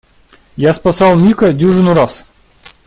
Я спасал Мика дюжину раз.